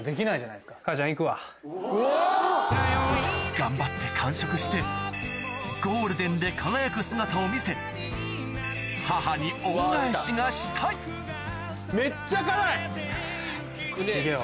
頑張って完食してゴールデンで輝く姿を見せ母に恩返しがしたい行くよ。